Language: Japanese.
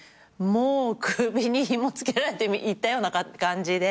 もう首にひもつけられて行ったような感じで。